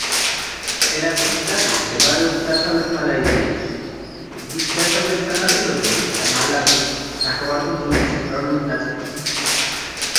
პერაკის შტატი მდებარეობს დასავლეთ მალაიზიაში, მის დასავლეთ სანაპიროზე და მალაკის ნახევარკუნძულის ცენტრალურ ნაწილში.